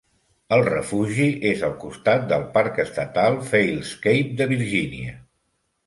El refugi és al costat del Parc Estatal False Cape de Virgínia.